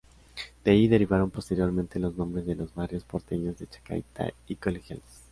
De allí derivaron posteriormente los nombres de los barrios porteños de "Chacarita" y "Colegiales".